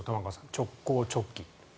直行直帰。